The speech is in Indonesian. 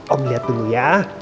om lihat dulu ya